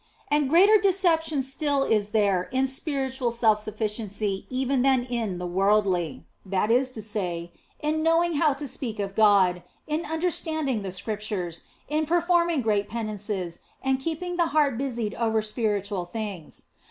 And greater decep tion still is there in spiritual self sufficiency even than in the worldly that is to say, in knowing how to speak of God, in understanding the Scriptures, in performing great penances and keeping the heart busied over spiritual things.